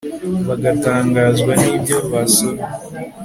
bagatangazwa n ibyo basomye